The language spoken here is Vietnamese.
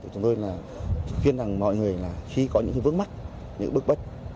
chúng tôi khuyên mọi người khi có những vướng mắt những bước bách